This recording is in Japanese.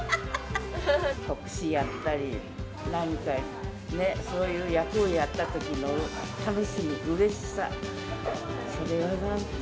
国士やったり、なんかね、そういう役をやったときの楽しみ、うれしさ。